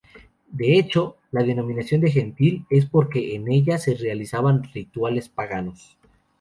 De hecho, la denominación de "Gentil" es porque en ella se realizaban rituales paganos.